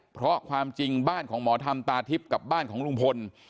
เพราะความจริงบ้านของหมอธรรมตาทิพย์กับบ้านของลุงพล